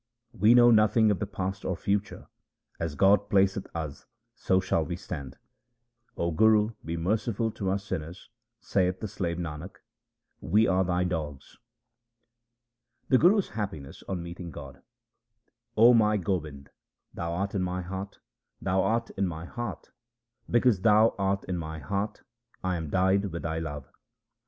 We know nothing of the past or future ; as God placeth us so shall we stand. 0 Guru, be merciful to us sinners ; saith the slave Nanak, we are thy dogs. The Guru's happiness on meeting God :— O my Gobind, 1 Thou art in my heart, Thou art in my heart : because Thou art in my heart, I am dyed with Thy love.